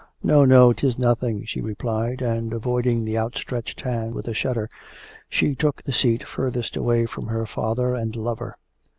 'No, no, 'tis nothing,' she replied, and avoiding the outstretched hand with a shudder, she took the seat furthest away from her father and lover.